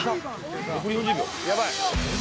やばい！